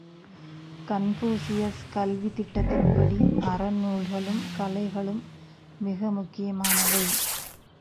Confucius கல்வி திட்டத்தின்படி, அறநூல்களும் கலைகளும் மிக முக்கியமானவை.